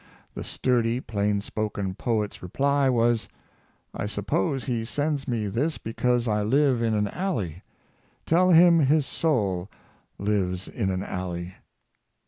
The sturdy, plain spoken poet's reply was: "I suppose he sends me this because I live in an alley; tell him his soul lives in, an alley."